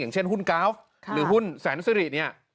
อย่างเช่นหุ้นกาล์ฟหรือหุ้นแสนสิริเนี่ย